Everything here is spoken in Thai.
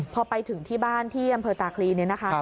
พอไปถึงที่บ้านที่อำเภอตาคลีเนี่ยนะคะ